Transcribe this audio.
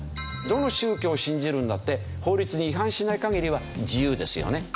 どの宗教を信じるのだって法律に違反しない限りは自由ですよね。